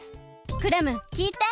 クラムきいて！